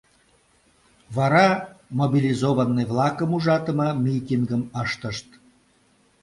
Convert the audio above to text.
Вара мобилизованный-влакым ужатыме митингым ыштышт.